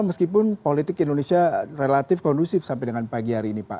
meskipun politik indonesia relatif kondusif sampai dengan pagi hari ini pak